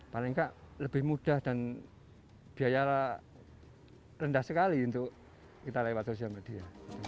paling nggak lebih mudah dan biaya rendah sekali untuk kita lewat sosial media